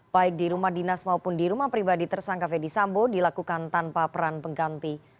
baik di rumah dinas maupun di rumah pribadi tersangka ferdisambo dilakukan tanpa peran pengganti